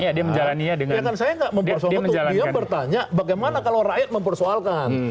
ya kan saya nggak mempersoalkan dia bertanya bagaimana kalau rakyat mempersoalkan